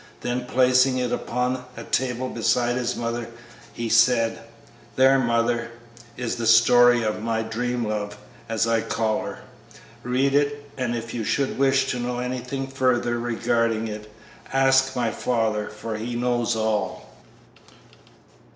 Then placing it open upon a table beside his mother, he said, "There, mother, is the story of my Dream Love, as I call her. Read it, and if you should wish to know anything further regarding it, ask my father, for he knows all."